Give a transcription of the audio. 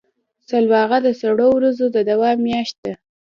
سلواغه د سړو ورځو د دوام میاشت ده.